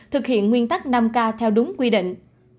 thực hiện nguyên tắc năm k theo đúng quy định